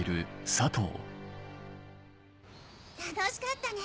楽しかったね。